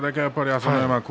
朝乃山は。